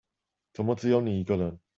怎麼只有你一個人